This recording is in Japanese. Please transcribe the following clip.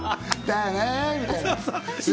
だよね、みたいな。